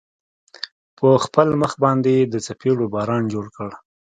په خپل مخ باندې يې د څپېړو باران جوړ كړ.